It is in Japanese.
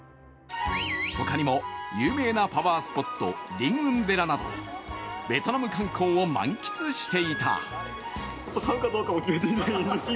他にも有名なパワースポットリンウン寺など、ベトナム観光を満喫した。